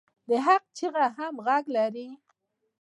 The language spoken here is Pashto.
د حق چیغه هم غږ لري